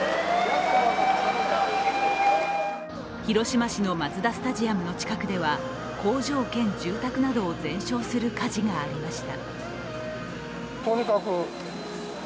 広島市のマツダスタジアムの近くでは工場兼住宅などを全焼する火事がありました。